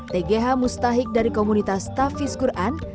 tgh mustahik dari komunitas tafis quran